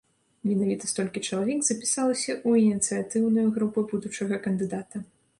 Менавіта столькі чалавек запісалася ў ініцыятыўную групу будучага кандыдата.